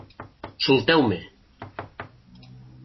Solteu-me!